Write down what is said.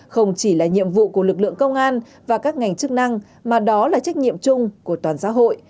không chỉ là nhiệm vụ của lực lượng công an và các ngành chức năng mà đó là trách nhiệm chung của toàn xã hội